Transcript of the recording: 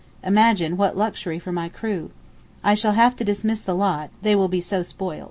Imagine what luxury for my crew. I shall have to dismiss the lot, they will be so spoilt.